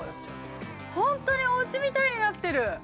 本当におうちみたいになってる。